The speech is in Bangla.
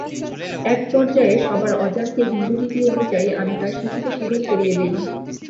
একপর্যায়ে সবার অজান্তে হিন্দুরীতি অনুযায়ী আমি তার সিঁথিতে সিঁদুর পরিয়ে দিই।